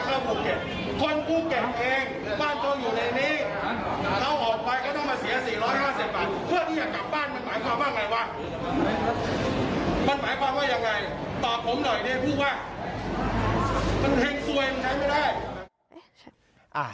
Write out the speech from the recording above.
มันเฮ็งซวยมันใช้ไม่ได้